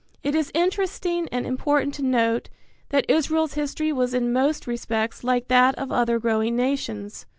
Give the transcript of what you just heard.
It is interesting and important to note that Israel's history was in most respects like that of other growing nations.